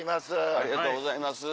ありがとうございます。